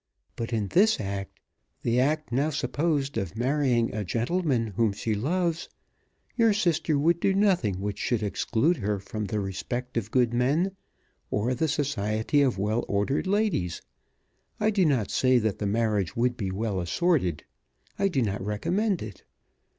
But in this act, the act now supposed of marrying a gentleman whom she loves, your sister would do nothing which should exclude her from the respect of good men or the society of well ordered ladies. I do not say that the marriage would be well assorted. I do not recommend it.